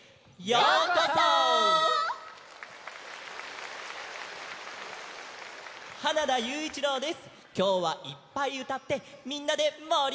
きょうはいっぱいうたってみんなでもりあがろうね！